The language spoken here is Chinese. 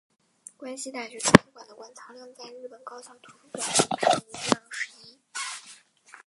关西大学图书馆的馆藏量在日本高校图书馆中排名第二十一。